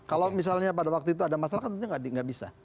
kalau misalnya pada waktu itu ada masalah kan tentunya nggak bisa